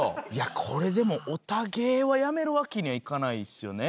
これでもオタ芸はやめるわけにはいかないっすよね。